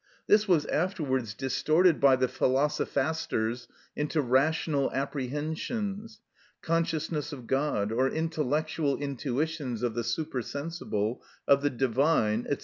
This was afterwards distorted by the philosophasters into rational apprehensions, consciousness of God, or intellectual intuitions of the supersensible, of the divine, &c.